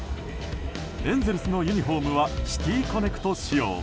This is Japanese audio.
エンゼルスのユニホームはシティ・コネクト仕様。